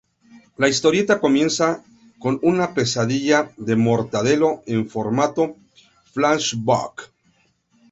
La historieta comienza con una pesadilla de Mortadelo en formato "flashback".